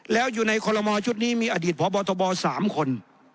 แล้วอยู่ในคอลโมชุดนี้มีอดีตพบทบ๓คน